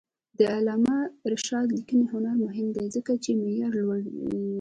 د علامه رشاد لیکنی هنر مهم دی ځکه چې معیار لوړوي.